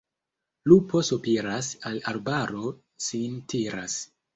Lupo sopiras, al arbaro sin tiras.